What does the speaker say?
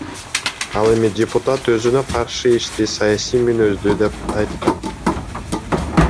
Ал эми депутат өзүнө каршы ишти саясий мүнөздүү деп айткан.